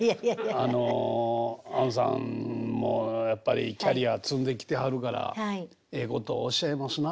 あのあんさんもやっぱりキャリア積んできてはるからええことをおっしゃいますな。